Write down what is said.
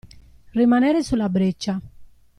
Rimanere sulla breccia.